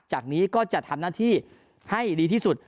จากนี้ก็จะทำหน้าที่ให้ดีที่สุด